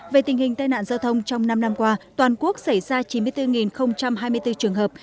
về tình hình tai nạn giao thông trong năm năm qua toàn quốc xảy ra chín mươi bốn hai mươi bốn trường hợp